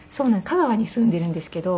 香川に住んでるんですけど。